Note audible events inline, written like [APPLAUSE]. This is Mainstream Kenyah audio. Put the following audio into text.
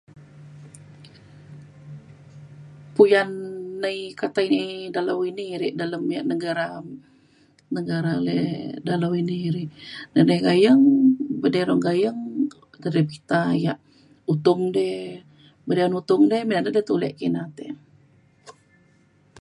puyan nai kata ini dalau ini re dalem yak negara negara lei dalau ini ri [UNINTELLIGIBLE] gayeng buk de re gayeng de re kita yak utung di ban yak utung de me de tai ulek kina te